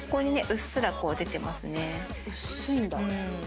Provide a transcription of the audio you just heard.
うっすらこう出てますね。